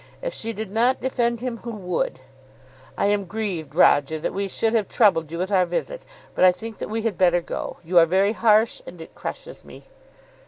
If she did not defend him, who would? "I am grieved, Roger, that we should have troubled you with our visit, but I think that we had better go. You are very harsh, and it crushes me."